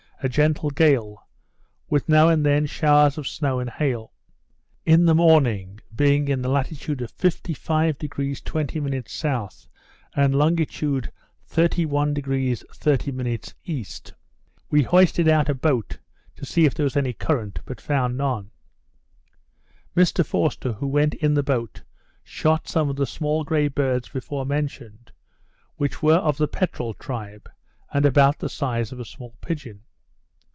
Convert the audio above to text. a gentle gale, with now and then showers of snow and hail. In the morning, being in the latitude of 55° 20' S., and longitude 31° 30' E., we hoisted out a boat to see if there was any current, but found none. Mr Forster, who went in the boat, shot some of the small grey birds before mentioned, which were of the peterel tribe, and about the size of a small pigeon.